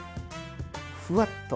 ふわっと。